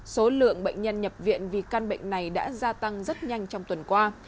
số lượng bệnh nhân nhập viện vì căn bệnh này đã gia tăng rất nhanh trong tuần qua